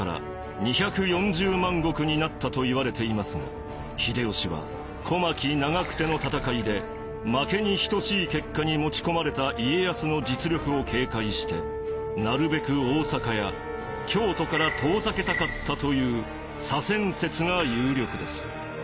国替えにより秀吉は「小牧・長久手の戦い」で負けに等しい結果に持ち込まれた家康の実力を警戒してなるべく大坂や京都から遠ざけたかったという左遷説が有力です。